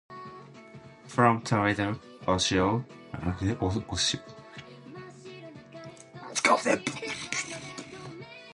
From Toledo, Ohio, she would eventually make it to Plymouth, Michigan.